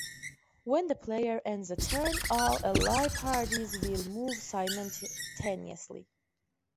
When the player ends the turn, all ally parties will move simultaneously.